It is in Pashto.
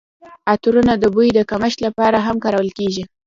عطرونه د بوی د کمښت لپاره هم کارول کیږي.